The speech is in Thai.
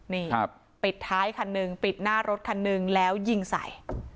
นี่ปิดท้ายคันหนึ่งปิดหน้ารถคันหนึ่งแล้วยิงใส่